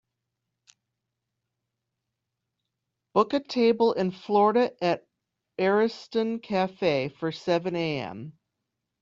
book a table in Florida at Ariston Cafe for seven am